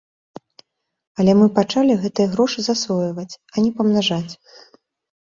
Але мы пачалі гэтыя грошы засвойваць, а не памнажаць.